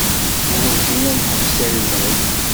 Werǧin ad naḥbes almad.